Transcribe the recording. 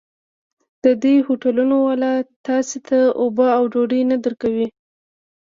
د دې هوټلونو والا تاسې ته اوبه او ډوډۍ نه درکوي.